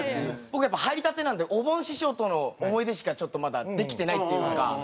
僕やっぱ入りたてなんでおぼん師匠との思い出しかちょっとまだできてないっていうか。